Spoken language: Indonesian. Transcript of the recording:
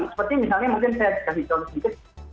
seperti misalnya mungkin saya kasih contoh sedikit